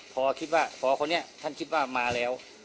พอคนนี้ท่านคิดว่ามาแล้ว